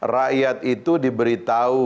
rakyat itu diberitahu